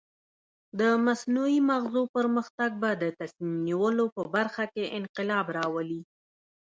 د مصنوعي مغزو پرمختګ به د تصمیم نیولو په برخه کې انقلاب راولي.